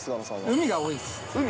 海が多いです。